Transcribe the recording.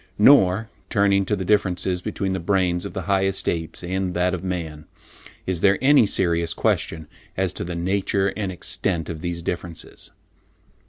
Nor, turning to the differences between the brains of the highest apes and that of man, is there any serious question as to the nature and extent of these differences.